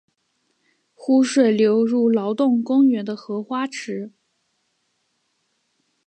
湖水流入劳动公园的荷花池。